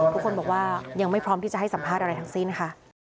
ทุกคนบอกว่ายังไม่พร้อมที่จะให้สัมภาษณ์อะไรทั้งสิ้นค่ะ